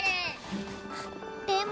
でも。